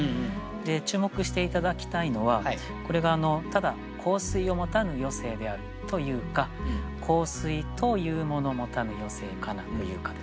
注目して頂きたいのはこれがただ「香水を持たぬ余生である」と言うか「香水といふもの持たぬ余生かな」と言うかですね。